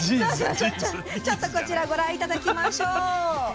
こちらご覧いただきましょう。